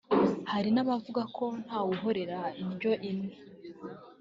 Hari n’abavuga ko nta wahorera indyo imwe